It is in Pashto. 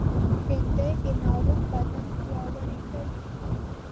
بېنډۍ د ناروغ بدن پیاوړی کوي